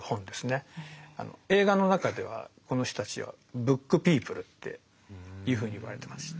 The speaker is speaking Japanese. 映画の中ではこの人たちは「ブックピープル」っていうふうに言われてます。